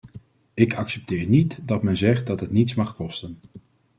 Ik accepteer niet dat men zegt dat het niets mag kosten.